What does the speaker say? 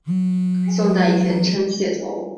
宋代以前称解头。